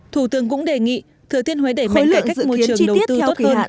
thủ tướng cũng đề nghị thừa thiên huế để mạnh cải cách môi trường đầu tư tốt hơn